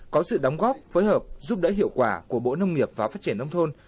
có sự đóng góp phối hợp giúp đỡ hiệu quả của bộ nông nghiệp và phát triển nông thôn